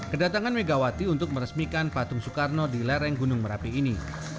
kedatangan megawati untuk meresmikan patung soekarno di lereng gunung merapi ini